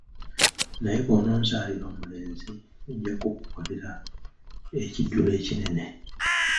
Naye bw'ononzalira omulenzi, nnja kukukolera ekijjulo ekinene.